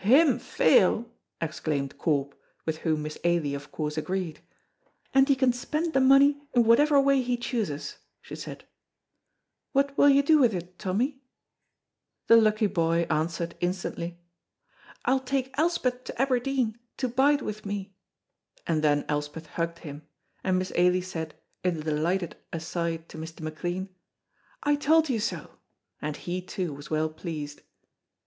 "Him fail!" exclaimed Corp, with whom Miss Ailie of course agreed. "And he can spend the money in whatever way he chooses," she said, "what will you do with it, Tommy?" The lucky boy answered, instantly, "I'll take Elspeth to Aberdeen to bide with me," and then Elspeth hugged him, and Miss Ailie said, in a delighted aside to Mr. McLean, "I told you so," and he, too, was well pleased.